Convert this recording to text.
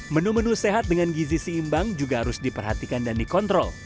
menu menu sehat dengan gizi seimbang juga harus diperhatikan dan dikontrol